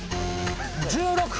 １６。